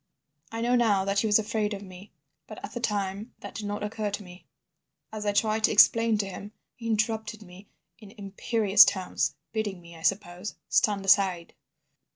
"I know now that he was afraid of me, but at the time that did not occur to me. As I tried to explain to him, he interrupted me in imperious tones, bidding me, I suppose, stand aside.